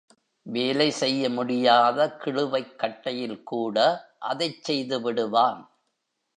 வேலை செய்ய முடியாத கிளுவைக் கட்டையில் கூட அதைச் செய்துவிடுவான்.